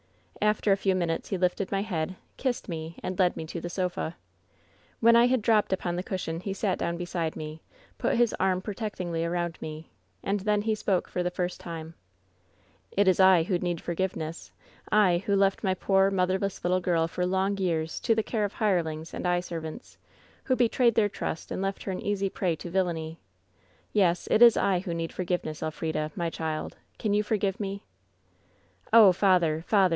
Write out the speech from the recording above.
"After a few minutes he lifted my head, kissed me, and led me to the sofa. "When I had dropped upon the cushion he sat down beside me, put his arm protectingly around me, and then he spoke for the first time :" ^It is I who need forgiveness — I who left my poor, motherless little girl for long years to the care of hire lings and eye servants, who betrayed their trust and kft 198 WHEN SHADOWS DIE her an easy prey to villainy. Yes, it is I who need for fi^yeness. Elf rida, my child, can you forgive me V " ^Oh, father 1 father